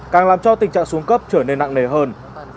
càng làm cho tình trạng xuống cấp trở nên nặng nề hơn